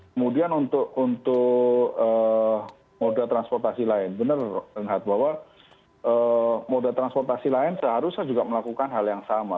kemudian untuk moda transportasi lain benar bahwa moda transportasi lain seharusnya juga melakukan hal yang sama